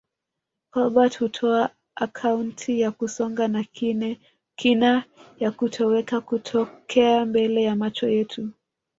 Kolbert hutoa akaunti ya kusonga na kina ya kutoweka kutokea mbele ya macho yetu